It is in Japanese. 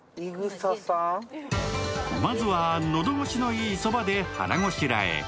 まずは喉越しのいいそばで腹ごしらえ。